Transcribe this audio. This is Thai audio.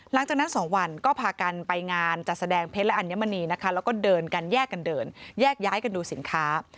หลังจากนั้น๒วันก็พากันไปงานจัดแสดงเพชรและอัญมณีนะคะแล้วก็เดินกันแยกกันเดินแยกย้ายกันดูสินค้า